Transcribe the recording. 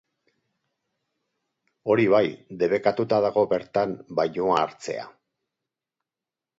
Hori bai, debekatuta dago bertan bainua hartzea.